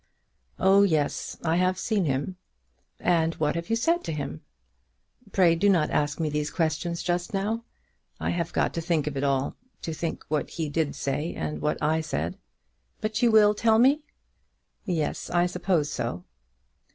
"Oh yes; I have seen him." "And what have you said to him?" "Pray do not ask me these questions just now. I have got to think of it all; to think what he did say and what I said." "But you will tell me." "Yes; I suppose so."